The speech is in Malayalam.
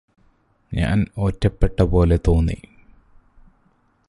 ഞാന് ഒറ്റപ്പെട്ടപോലെ തോന്നി